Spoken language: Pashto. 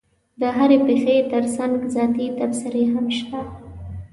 د هرې پېښې ترڅنګ ذاتي تبصرې هم شته.